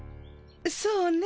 そうね。